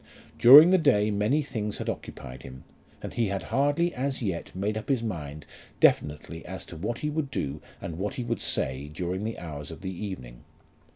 During the day many things had occupied him, and he had hardly as yet made up his mind definitely as to what he would do and what he would say during the hours of the evening.